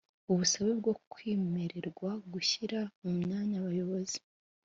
ubusabe bwo kwimererwa gushyira mu myanya abakozi